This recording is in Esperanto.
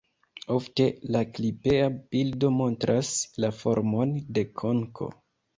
Ofte la klipea bildo montras la formon de konko.